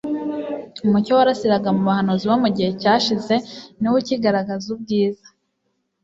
Umucyo warasiraga mu bahanuzi bo mu gihe cyashize niwo ukigaragaza ubwiza